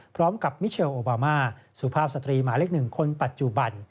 พร้อมกับมิเชลโอบามาสุภาพสตรีหมายเล็กหนึ่งคนปัจจุบัน